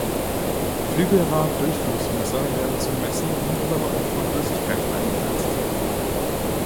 Flügelrad-Durchflussmesser werden zum Messen und Überwachen von Flüssigkeiten eingesetzt.